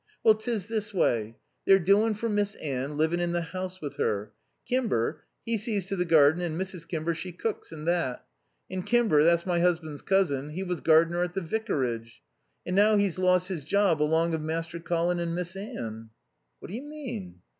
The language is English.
"Well, 'tis this way. They're doin' for Miss Anne, livin' in the house with her. Kimber, 'e sees to the garden and Mrs. Kimber she cooks and that. And Kimber that's my 'usband's cousin 'e was gardener at the vicarage. And now 'e's lost his job along of Master Colin and Miss Anne." "What do you mean?"